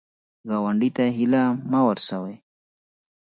ګاونډي ته هیله مه ورسوې